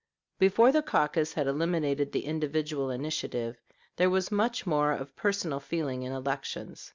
Before the caucus had eliminated the individual initiative, there was much more of personal feeling in elections.